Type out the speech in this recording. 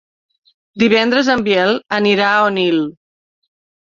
Divendres en Biel anirà a Onil.